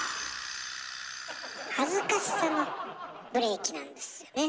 恥ずかしさのブレーキなんですよね。